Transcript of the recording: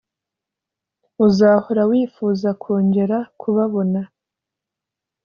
Uzahora wifuza kongera kubabona,